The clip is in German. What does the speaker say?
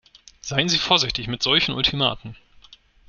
Seien Sie vorsichtig mit solchen Ultimaten!